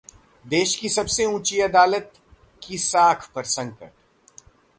देश की सबसे ऊंची अदालत की साख पर संकट!